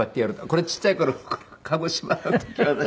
これちっちゃい頃鹿児島の時私ですけど。